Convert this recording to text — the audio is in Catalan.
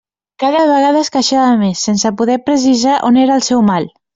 Cada vegada es queixava més, sense poder precisar on era el seu mal.